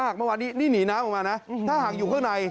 หนักมากนี่หนีน้ำออกมานะถ้าห่างอยู่ข้างใน